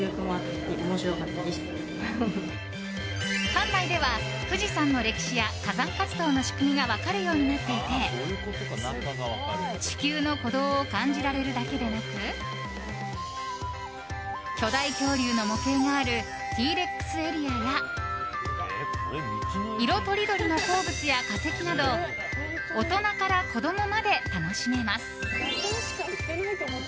館内では、富士山の歴史や火山活動の仕組みが分かるようになっていて地球の鼓動を感じられるだけでなく巨大恐竜の模型があるＴ‐ＲＥＸエリアや色とりどりの鉱物や化石など大人から子供まで楽しめます。